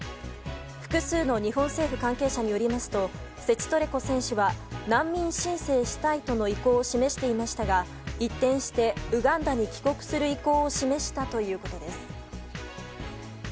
複数の日本政府関係者によりますとセチトレコ選手は難民申請したいとの意向を示していましたが一転してウガンダに帰国する意向を示したということです。